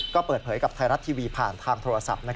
ก็เปิดเผยกับไทยรัฐทีวีผ่านทางโทรศัพท์